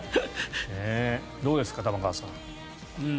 どうですか、玉川さん。